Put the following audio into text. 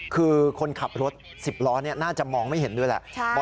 คือคนขับรถ๑๐ล้อน่าจะมองไม่เห็นด้วยแหละ